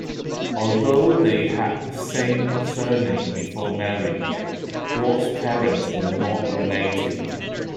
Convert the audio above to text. Although they had the same surname before marriage, Ward's parents were not related.